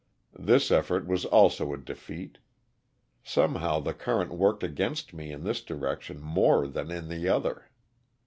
'J'his effort was also a defeat. Somehow the current worked against me in this direction more than in the other.